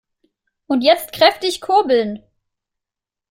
Und jetzt kräftig kurbeln!